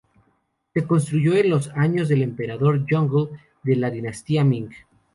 Se construyó en los años del Emperador Yongle de la dinastía Ming.